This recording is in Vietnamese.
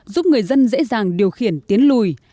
giúp người dân dễ dàng điều khiển tiến lùi